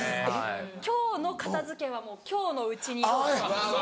今日の片付けは今日のうちに。